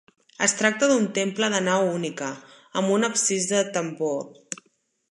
Es tracta d'un temple de nau única, amb un absis de tambor.